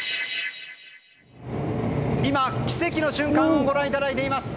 今、奇跡の瞬間をご覧いただいています。